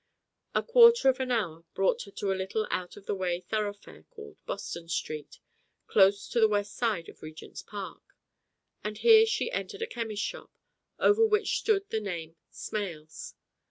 A quarter of an hour brought her to a little out of the way thoroughfare called Boston Street, close to the west side of Regent's Park, and here she entered a chemist's shop, over which stood the name Smales.